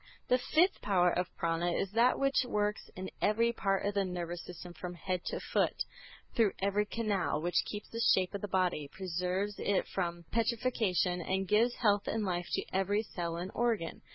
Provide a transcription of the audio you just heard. The fifth power of Prâna is that which works in every part of the nervous system from head to foot, through every canal, which keeps the shape of the body, preserves it from putrefaction, and gives health and life to every cell and organ.